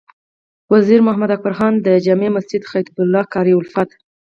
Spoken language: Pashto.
وزیر محمد اکبر خان د جامع مسجد خطیب قاري الفت،